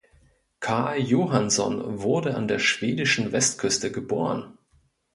Carl Johanson wurde an der schwedischen Westküste geboren.